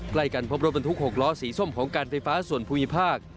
ใกล้กันพบรถบรรทุก๖ล้อสีส้มของการไฟฟ้าส่วนภูมิภาค